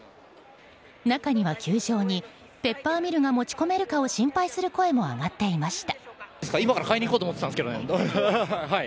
中には、球場にペッパーミルが持ち込めるかを心配する声も上がっていました。